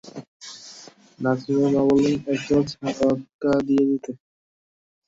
নাজনীনের মা বললেন একটা ছদকা দিয়ে দিতে।